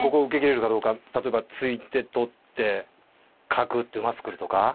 例えば突いて取って角打って馬作るとか。